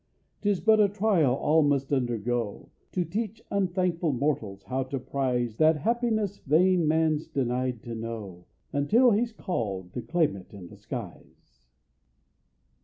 'Tis but a trial all must undergo; To teach unthankful mortals how to prize That happiness vain man's denied to know, Until he's call'd to claim it in the skies.